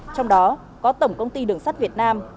trong đó có tổng công ty đường sắt việt nam